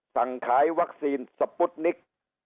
สั่งขายวัคซีนสปุตนิก